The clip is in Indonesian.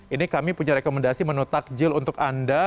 ini kami punya rekomendasi menu takjil untuk anda